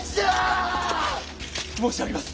申し上げます。